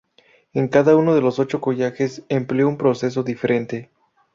En cada uno de los ocho collages empleó un proceso diferente.